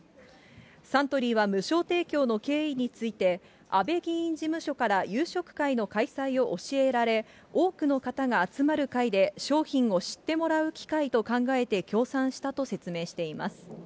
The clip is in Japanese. サントリーは無償提供の経緯について、安倍議員事務所から夕食会の開催を教えられ、多くの方が集まる会で商品を知ってもらう機会と考えて協賛したと説明しています。